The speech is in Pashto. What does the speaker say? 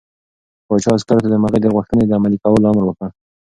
پاچا عسکرو ته د مرغۍ د غوښتنې د عملي کولو امر وکړ.